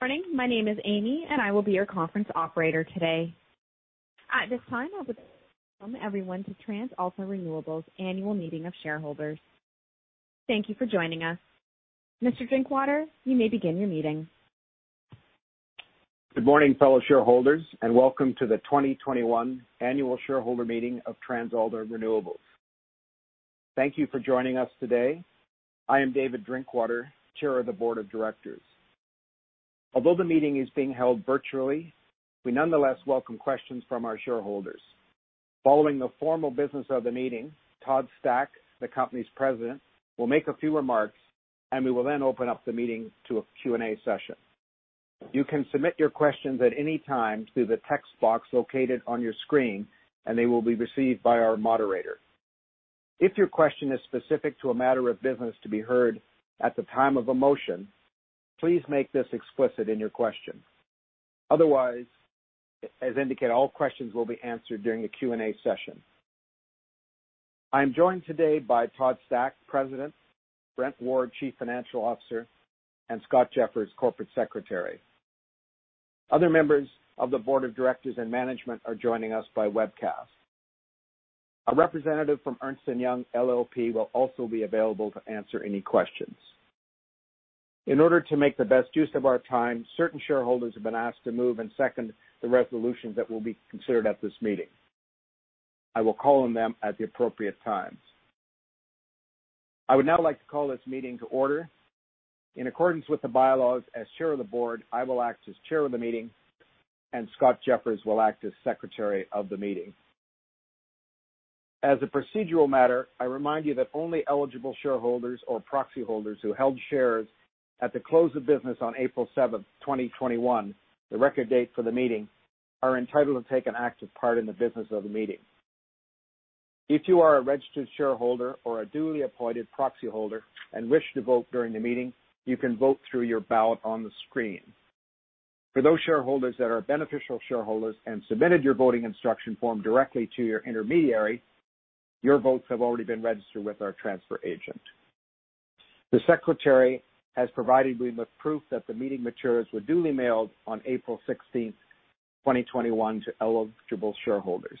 Morning. My name is Amy, and I will be your conference operator today. At this time, I would like to welcome everyone to TransAlta Renewables Annual Meeting of Shareholders. Thank you for joining us. Mr. Drinkwater, you may begin your meeting. Good morning, fellow shareholders, welcome to the 2021 Annual Shareholder Meeting of TransAlta Renewables. Thank you for joining us today. I am David Drinkwater, Chair of the Board of Directors. Although the meeting is being held virtually, we nonetheless welcome questions from our shareholders. Following the formal business of the meeting, Todd Stack, the company's President, will make a few remarks, we will then open up the meeting to a Q&A session. You can submit your questions at any time through the text box located on your screen, they will be received by our moderator. If your question is specific to a matter of business to be heard at the time of a motion, please make this explicit in your question. Otherwise, as indicated, all questions will be answered during the Q&A session. I am joined today by Todd Stack, President, Brent Ward, Chief Financial Officer, and Scott Jeffers, Corporate Secretary. Other members of the board of directors and management are joining us by webcast. A representative from Ernst & Young LLP will also be available to answer any questions. In order to make the best use of our time, certain shareholders have been asked to move and second the resolutions that will be considered at this meeting. I will call on them at the appropriate times. I would now like to call this meeting to order. In accordance with the bylaws, as Chair of the Board, I will act as Chair of the meeting, and Scott Jeffers will act as Secretary of the meeting. As a procedural matter, I remind you that only eligible shareholders or proxy holders who held shares at the close of business on April 7th, 2021, the record date for the meeting, are entitled to take an active part in the business of the meeting. If you are a registered shareholder or a duly appointed proxy holder and wish to vote during the meeting, you can vote through your ballot on the screen. For those shareholders that are beneficial shareholders and submitted your voting instruction form directly to your intermediary, your votes have already been registered with our transfer agent. The Secretary has provided me with proof that the meeting materials were duly mailed on April 16th, 2021, to eligible shareholders.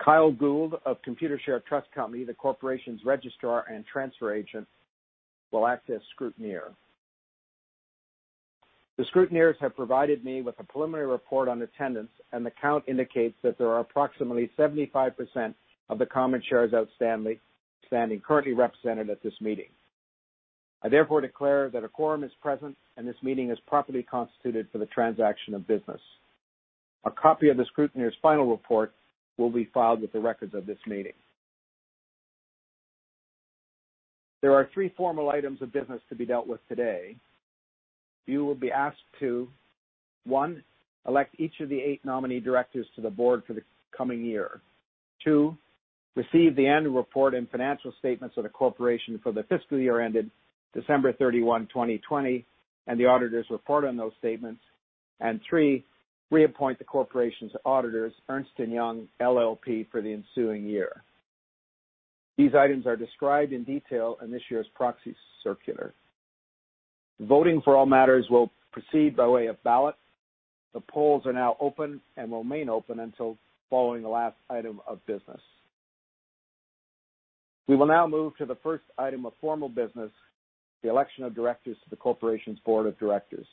Kyle Gould of Computershare Trust Company, the corporation's registrar and transfer agent, will act as scrutineer. The scrutineers have provided me with a preliminary report on attendance, the count indicates that there are approximately 75% of the common shares outstanding currently represented at this meeting. I therefore declare that a quorum is present, this meeting is properly constituted for the transaction of business. A copy of the scrutineer's final report will be filed with the records of this meeting. There are three formal items of business to be dealt with today. You will be asked to, one, elect each of the eight nominee directors to the board for the coming year. Two, receive the annual report and financial statements of the corporation for the fiscal year ended December 31, 2020, the auditor's report on those statements. Three, reappoint the corporation's auditors, Ernst & Young LLP, for the ensuing year. These items are described in detail in this year's proxy circular. Voting for all matters will proceed by way of ballot. The polls are now open and will remain open until following the last item of business. We will now move to the first item of formal business, the election of directors to the corporation's Board of Directors.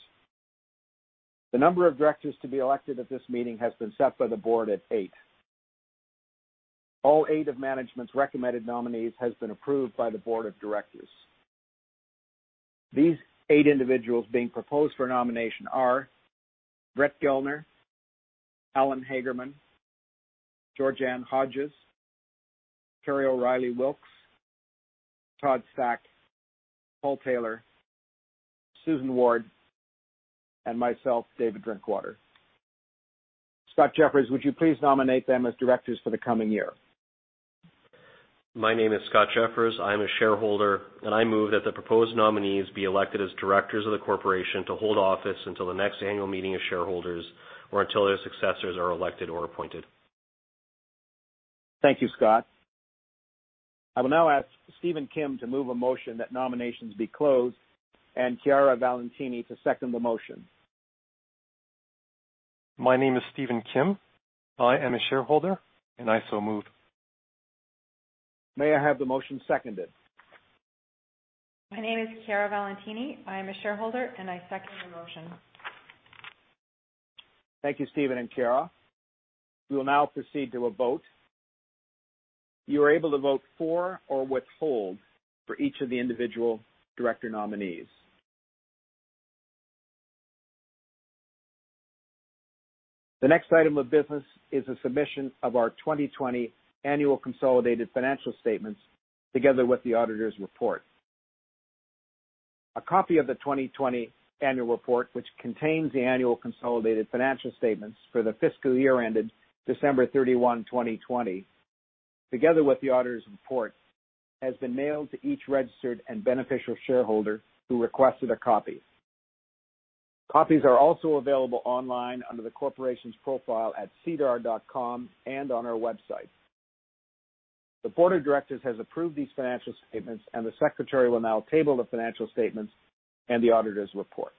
The number of directors to be elected at this meeting has been set by the Board at eight. All eight of management's recommended nominees has been approved by the Board of Directors. These eight individuals being proposed for nomination are Brett Gellner, Allen Hagerman, Georganne Hodges, Kerry O'Reilly Wilks, Todd Stack, Paul Taylor, Susan Ward, and myself, David Drinkwater. Scott Jeffers, would you please nominate them as directors for the coming year? My name is Scott Jeffers. I am a shareholder, and I move that the proposed nominees be elected as directors of the corporation to hold office until the next annual meeting of shareholders or until their successors are elected or appointed. Thank you, Scott. I will now ask Steven Kim to move a motion that nominations be closed and Chiara Valentini to second the motion. My name is Steven Kim. I am a shareholder, and I so move. May I have the motion seconded? My name is Chiara Valentini. I am a shareholder, and I second the motion. Thank you, Steven and Chiara. We will now proceed to a vote. You are able to vote for or withhold for each of the individual director nominees. The next item of business is the submission of our 2020 annual consolidated financial statements together with the auditor's report. A copy of the 2020 annual report, which contains the annual consolidated financial statements for the fiscal year ended December 31, 2020, together with the auditor's report, has been mailed to each registered and beneficial shareholder who requested a copy. Copies are also available online under the corporation's profile at SEDAR.com and on our website. The board of directors has approved these financial statements, and the Secretary will now table the financial statements and the auditor's report.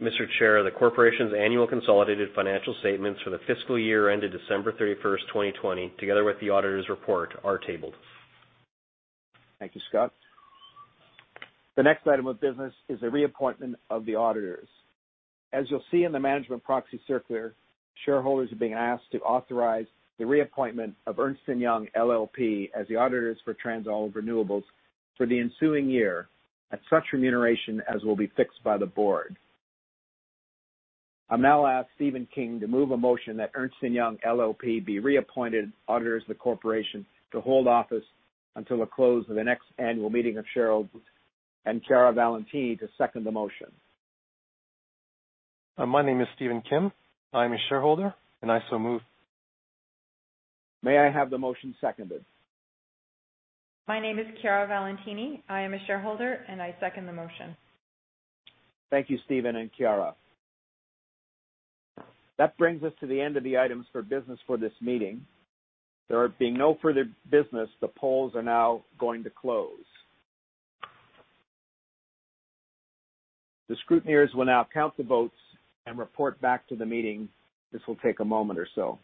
Mr. Chair, the corporation's annual consolidated financial statements for the fiscal year ended December 31st, 2020, together with the auditor's report, are tabled. Thank you, Scott. The next item of business is the reappointment of the auditors. As you'll see in the management proxy circular, shareholders are being asked to authorize the reappointment of Ernst & Young LLP as the auditors for TransAlta Renewables for the ensuing year at such remuneration as will be fixed by the board. I'll now ask Steven Kim to move a motion that Ernst & Young LLP be reappointed auditors of the corporation to hold office until the close of the next annual meeting of shareholders, and Chiara Valentini to second the motion. My name is Steven Kim. I am a shareholder, and I so move. May I have the motion seconded? My name is Chiara Valentini. I am a shareholder, and I second the motion. Thank you, Steven and Chiara Valentini. That brings us to the end of the items for business for this meeting. There being no further business, the polls are now going to close. The scrutineers will now count the votes and report back to the meeting. This will take a moment or so.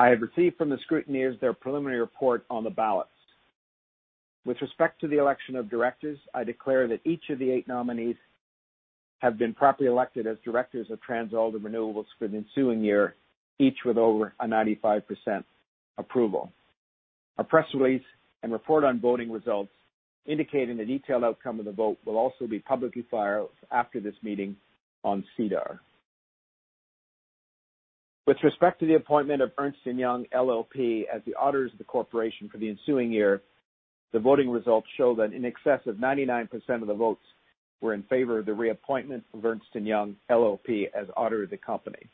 I have received from the scrutineers their preliminary report on the ballots. With respect to the election of directors, I declare that each of the eight nominees have been properly elected as directors of TransAlta Renewables for the ensuing year, each with over a 95% approval. A press release and report on voting results indicating the detailed outcome of the vote will also be publicly filed after this meeting on SEDAR. With respect to the appointment of Ernst & Young LLP as the auditors of the Corporation for the ensuing year, the voting results show that in excess of 99% of the votes were in favor of the reappointment of Ernst & Young LLP as auditor of the company.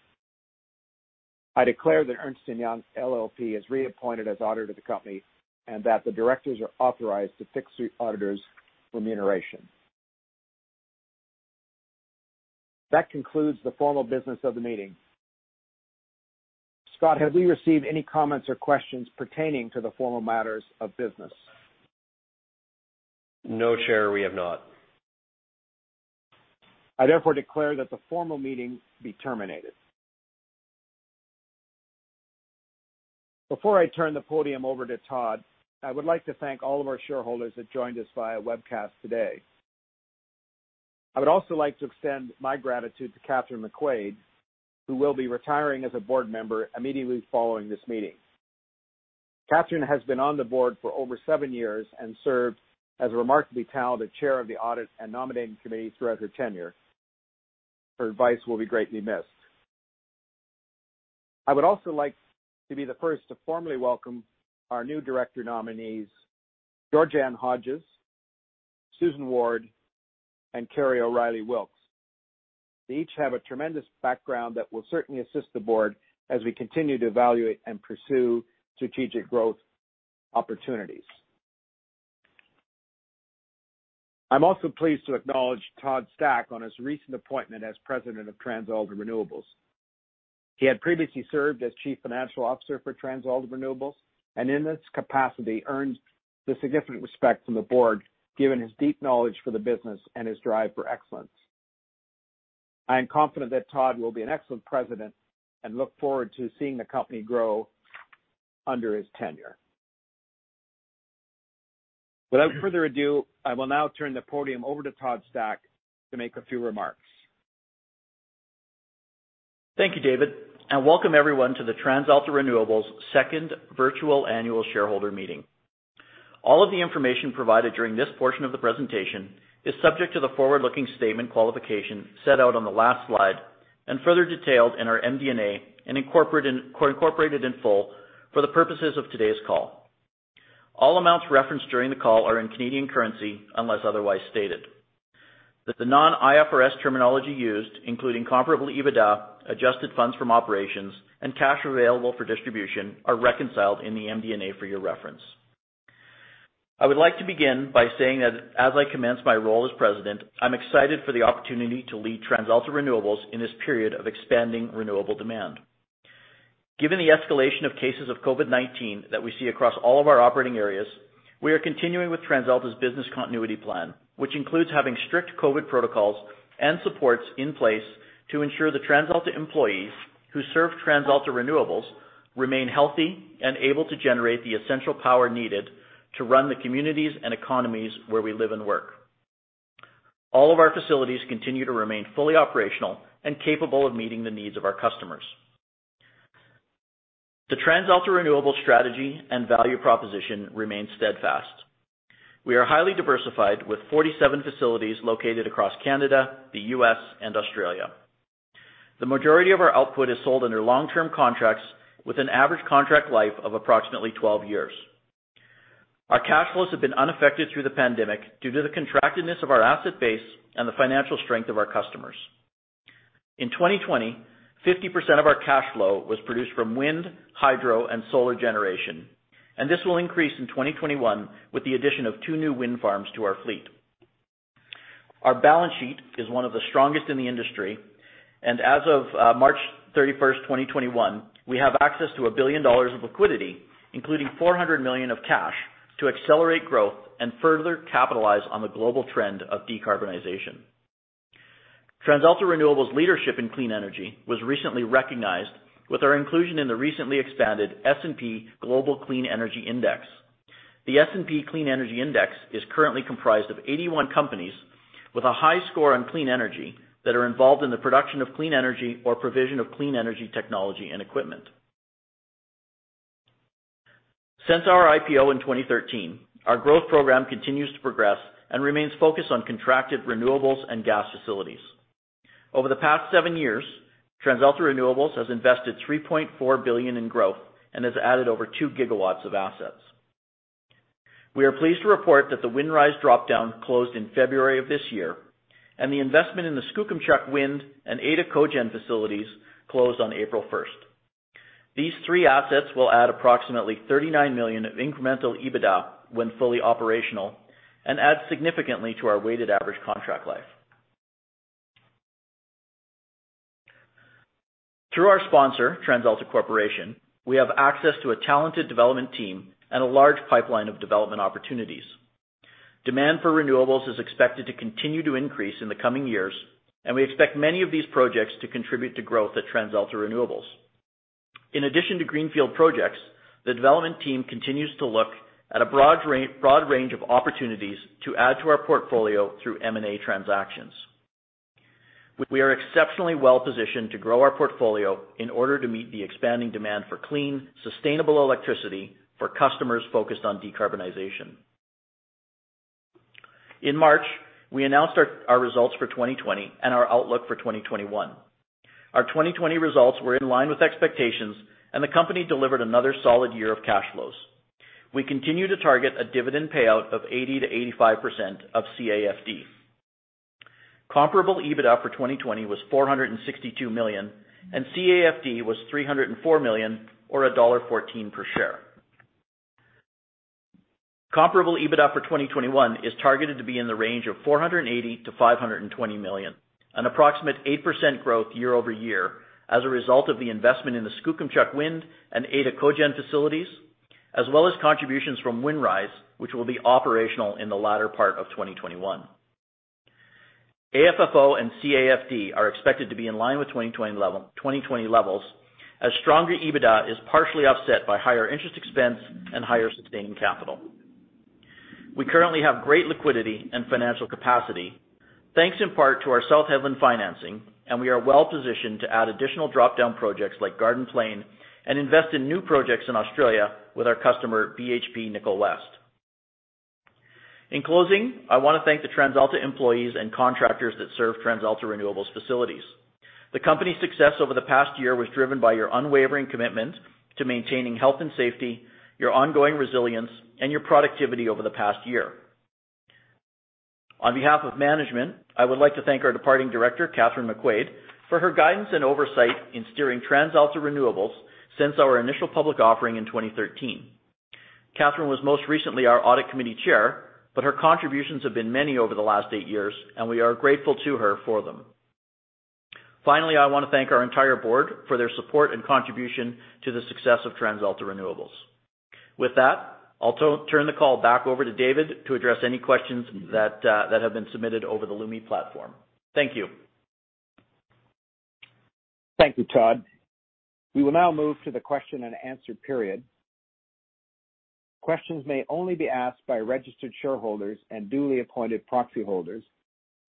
I declare that Ernst & Young LLP is reappointed as auditor to the company and that the directors are authorized to fix the auditor's remuneration. That concludes the formal business of the meeting. Scott, have we received any comments or questions pertaining to the formal matters of business? No, Chair, we have not. I therefore declare that the formal meeting be terminated. Before I turn the podium over to Todd, I would like to thank all of our shareholders that joined us via webcast today. I would also like to extend my gratitude to Kathryn McQuade, who will be retiring as a board member immediately following this meeting. Kathryn has been on the board for over seven years and served as a remarkably talented chair of the audit and nominating committee throughout her tenure. Her advice will be greatly missed. I would also like to be the first to formally welcome our new Director nominees, Georganne Hodges, Susan Ward, and Kerry O'Reilly Wilks. They each have a tremendous background that will certainly assist the board as we continue to evaluate and pursue strategic growth opportunities. I'm also pleased to acknowledge Todd Stack on his recent appointment as President of TransAlta Renewables. He had previously served as Chief Financial Officer for TransAlta Renewables, and in this capacity, earned the significant respect from the board, given his deep knowledge for the business and his drive for excellence. I am confident that Todd will be an excellent President and look forward to seeing the company grow under his tenure. Without further ado, I will now turn the podium over to Todd Stack to make a few remarks. Thank you, David, and welcome everyone to the TransAlta Renewables second virtual annual shareholder meeting. All of the information provided during this portion of the presentation is subject to the forward-looking statement qualification set out on the last slide and further detailed in our MD&A and incorporated in full for the purposes of today's call. All amounts referenced during the call are in Canadian currency, unless otherwise stated. The non-IFRS terminology used, including Comparable EBITDA, Adjusted Funds from Operations, and Cash Available for Distribution, are reconciled in the MD&A for your reference. I would like to begin by saying that as I commence my role as President, I'm excited for the opportunity to lead TransAlta Renewables in this period of expanding renewable demand. Given the escalation of cases of COVID-19 that we see across all of our operating areas, we are continuing with TransAlta's business continuity plan, which includes having strict COVID protocols and supports in place to ensure the TransAlta employees who serve TransAlta Renewables remain healthy and able to generate the essential power needed to run the communities and economies where we live and work. All of our facilities continue to remain fully operational and capable of meeting the needs of our customers. The TransAlta Renewables strategy and value proposition remain steadfast. We are highly diversified with 47 facilities located across Canada, the U.S., and Australia. The majority of our output is sold under long-term contracts with an average contract life of approximately 12 years. Our cash flows have been unaffected through the pandemic due to the contractedness of our asset base and the financial strength of our customers. In 2020, 50% of our cash flow was produced from wind, hydro, and solar generation, and this will increase in 2021 with the addition of two new wind farms to our fleet. Our balance sheet is one of the strongest in the industry, and as of March 31st, 2021, we have access to 1 billion dollars of liquidity, including 400 million of cash to accelerate growth and further capitalize on the global trend of decarbonization. TransAlta Renewables' leadership in clean energy was recently recognized with our inclusion in the recently expanded S&P Global Clean Energy Index. The S&P Clean Energy Index is currently comprised of 81 companies with a high score on clean energy, that are involved in the production of clean energy or provision of clean energy technology and equipment. Since our IPO in 2013, our growth program continues to progress and remains focused on contracted renewables and gas facilities. Over the past seven years, TransAlta Renewables has invested 3.4 billion in growth and has added over 2 GW of assets. We are pleased to report that the Windrise dropdown closed in February of this year, and the investment in the Skookumchuck Wind and Ada Cogen facilities closed on April 1st. These three assets will add approximately 39 million of incremental EBITDA when fully operational and add significantly to our weighted average contract life. Through our sponsor, TransAlta Corporation, we have access to a talented development team and a large pipeline of development opportunities. Demand for renewables is expected to continue to increase in the coming years, and we expect many of these projects to contribute to growth at TransAlta Renewables. In addition to greenfield projects, the development team continues to look at a broad range of opportunities to add to our portfolio through M&A transactions. We are exceptionally well-positioned to grow our portfolio in order to meet the expanding demand for clean, sustainable electricity for customers focused on decarbonization. In March, we announced our results for 2020 and our outlook for 2021. Our 2020 results were in line with expectations and the company delivered another solid year of cash flows. We continue to target a dividend payout of 80%-85% of CAFD. Comparable EBITDA for 2020 was 462 million, and CAFD was 304 million or dollar 1.14 per share. Comparable EBITDA for 2021 is targeted to be in the range of 480 million-520 million, an approximate 8% growth year-over-year as a result of the investment in the Skookumchuck Wind and Ada Cogen facilities, as well as contributions from Windrise, which will be operational in the latter part of 2021. AFFO and CAFD are expected to be in line with 2020 levels as stronger EBITDA is partially offset by higher interest expense and higher sustained capital. We currently have great liquidity and financial capacity, thanks in part to our South Hedland financing, and we are well-positioned to add additional drop-down projects like Garden Plain and invest in new projects in Australia with our customer, BHP Nickel West. In closing, I want to thank the TransAlta employees and contractors that serve TransAlta Renewables facilities. The company's success over the past year was driven by your unwavering commitment to maintaining health and safety, your ongoing resilience, and your productivity over the past year. On behalf of management, I would like to thank our departing director, Kathryn McQuade, for her guidance and oversight in steering TransAlta Renewables since our initial public offering in 2013. Kathryn was most recently our Audit Committee Chair, but her contributions have been many over the last eight years, and we are grateful to her for them. Finally, I want to thank our entire board for their support and contribution to the success of TransAlta Renewables. With that, I'll turn the call back over to David to address any questions that have been submitted over the Lumi Platform. Thank you. Thank you, Todd. We will now move to the question-and-answer period. Questions may only be asked by registered shareholders and duly appointed proxy holders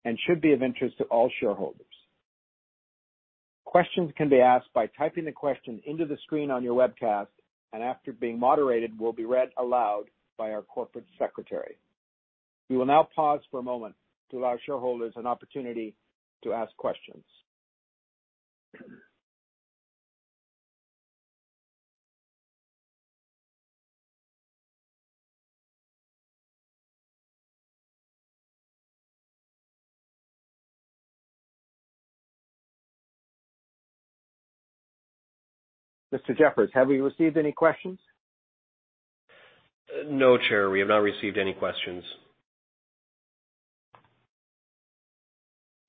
and should be of interest to all shareholders. Questions can be asked by typing the question into the screen on your webcast, and after being moderated, will be read aloud by our corporate secretary. We will now pause for a moment to allow shareholders an opportunity to ask questions. Mr. Jeffers, have we received any questions? No, Chair, we have not received any questions.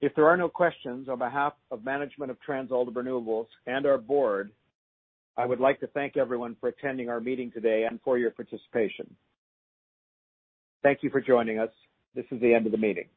If there are no questions, on behalf of management of TransAlta Renewables and our board, I would like to thank everyone for attending our meeting today and for your participation. Thank you for joining us. This is the end of the meeting.